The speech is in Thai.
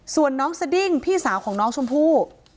ส่วนน้องสดิ้งพี่สาวของน้องชมพู่